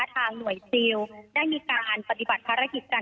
ทางหน่วยซิลได้มีการปฏิบัติภารกิจกัน